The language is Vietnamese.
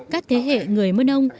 các thế hệ người mân âu